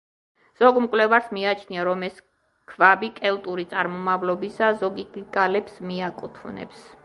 ზოგ მკვლევარს მიაჩნია, რომ ეს ქვაბი კელტური წარმომავლობისაა, ზოგიც კი გალებს მიაკუთვნებს.